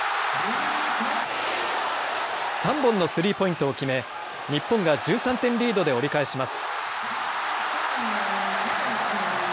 ３本のスリーポイントを決め日本が１３点リードで折り返します。